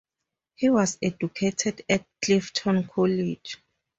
He was educated at Clifton College.